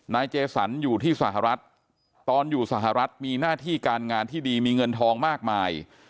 เจสันอยู่ที่สหรัฐตอนอยู่สหรัฐมีหน้าที่การงานที่ดีมีเงินทองมากมาย